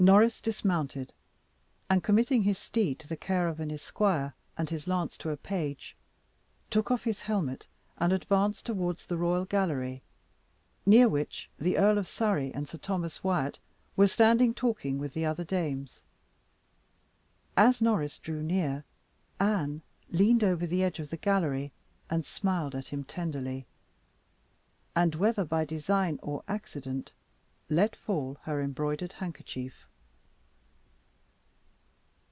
Norris dismounted, and committing his steed to the care of an esquire, and his lance to a page, took off his helmet and advanced towards the royal gallery, near which the Earl of Surrey and Sir Thomas Wyat were standing talking with the other dames. As Norris drew near, Anne leaned over the edge of the gallery, and smiled at him tenderly, and, whether by design or accident, let fall her embroidered handkerchief.